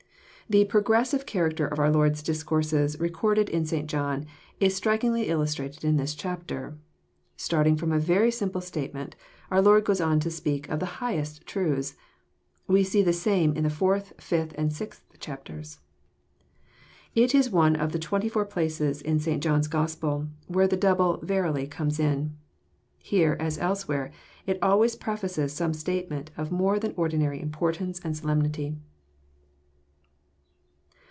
The "progressive" character of our Lord's discourses record ed in St. John, is strikingly illustrated in this chapter. Start ing from a very simple statement, our Lord goes on to speak of the highest truths. We see the same in the fourth, fifth, and sixth chapters. This is one of the twenty four places in St. John's Gospel, where the double " verily" comes In. Here, as elsewhere, it al ways prefaces some statement of more than ordinary importance and solemnity.